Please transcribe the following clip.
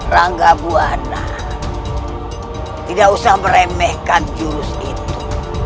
rangga buana tidak usah meremehkan jurus itu